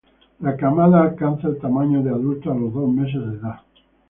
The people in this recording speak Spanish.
La camada alcanza el tamaño de adulto a los dos meses de edad.